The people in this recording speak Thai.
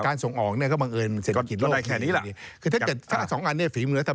การส่งออกเนี่ยก็บังเอิญเศรษฐกิจโลกนี้